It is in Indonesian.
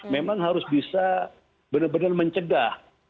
memang harus bisa benar benar mencegah